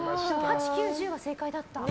８、９、１０は正解だった。